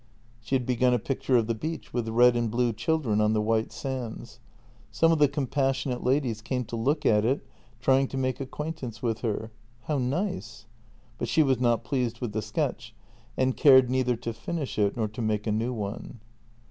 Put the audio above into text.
She had begun a picture of the beach with red and blue chil dren on the white sands. Some of the compassionate ladies came to look at it, trying to make acquaintance with her: "How nice! " But she was not pleased with the sketch, and cared neither to finish it nor to make a new one.